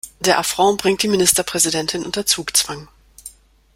Der Affront bringt die Ministerpräsidentin unter Zugzwang.